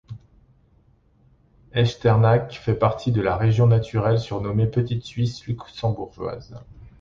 Echternach fait partie de la région naturelle surnommée Petite Suisse luxembourgeoise.